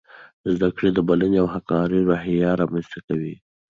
زده کړه د بلنې او همکارۍ روحیه رامنځته کوي.